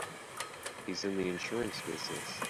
He's in the insurance business.